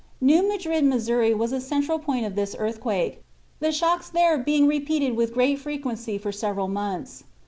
New Madrid, Missouri, was a central point of this earthquake, the shocks there being repeated with great frequency for several months.